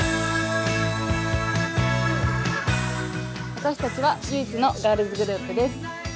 私たちは唯一のガールズグループです。